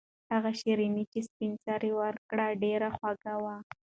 هغه شیرني چې سپین سرې ورکړه ډېره خوږه وه.